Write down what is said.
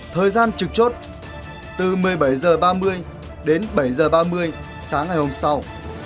thời gian trực chốt từ một mươi bảy h ba mươi đến bảy h ba mươi sáng ngày hôm sau